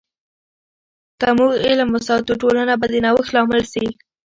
که موږ علم وساتو، ټولنه به د نوښت لامل سي.